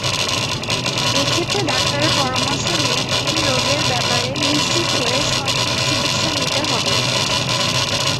এক্ষেত্রে ডাক্তারের পরামর্শ নিয়ে এই রোগের ব্যাপারে নিশ্চিত হয়ে সঠিক চিকিৎসা নিতে হবে।